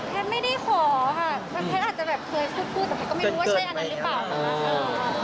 แทบไม่ได้ขอค่ะ